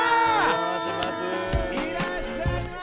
いらっしゃいませ。